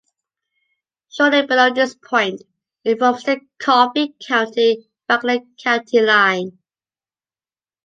Shortly below this point, it forms the Coffee County - Franklin County line.